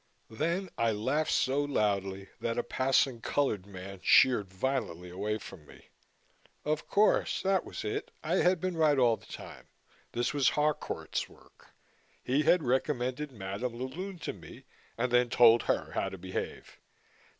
Then I laughed so loudly that a passing colored man sheered violently away from me. Of course, that was it. I had been right all the time. This was Harcourt's work. He had recommended Madame la Lune to me and then told her how to behave.